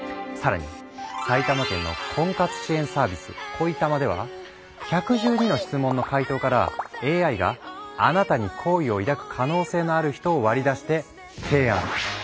更に埼玉県の婚活支援サービス「恋たま」では１１２の質問の回答からＡＩが「あなたに好意を抱く可能性のある人」を割り出して提案。